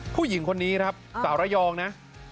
ผู้หญิงคนนี้สารยองนะ